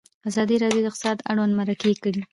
ازادي راډیو د اقتصاد اړوند مرکې کړي.